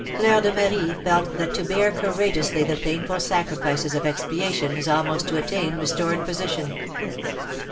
Fleur de Marie felt that to bear courageously the painful sacrifices of expiation is almost to attain restored position.